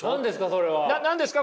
それは。何ですか？